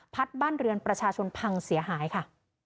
บ้านเรือนประชาชนพังเสียหายค่ะ